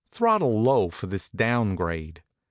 Throttle low for this down grade."